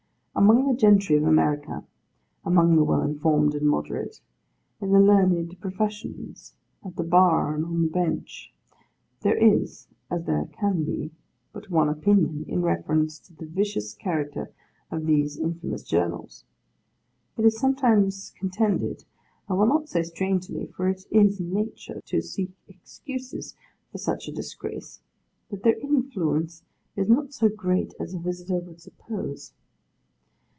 Among the gentry of America; among the well informed and moderate: in the learned professions; at the bar and on the bench: there is, as there can be, but one opinion, in reference to the vicious character of these infamous journals. It is sometimes contended—I will not say strangely, for it is natural to seek excuses for such a disgrace—that their influence is not so great as a visitor would suppose.